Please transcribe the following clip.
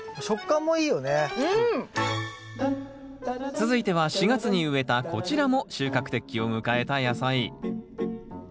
続いては４月に植えたこちらも収穫適期を迎えた野菜。